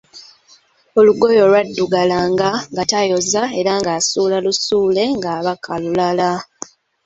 Olugoye olwaddugalanga nga tayoza era nga asuula lusuule, ng'abaka lulala.